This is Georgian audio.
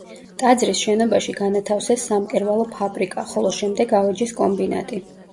ტაძრის შენობაში განათავსეს სამკერვალო ფაბრიკა, ხოლო შემდეგ ავეჯის კომბინატი.